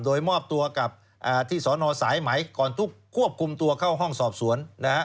โดยมอบตัวกับที่สนสายไหมก่อนทุกควบคุมตัวเข้าห้องสอบสวน